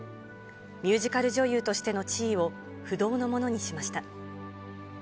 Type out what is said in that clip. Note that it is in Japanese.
ミュージカル女優としての地位を不動のものにしました。